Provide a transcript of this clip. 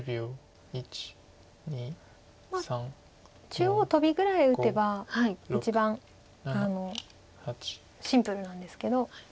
中央トビぐらい打てば一番シンプルなんですけど。